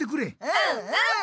うんうん！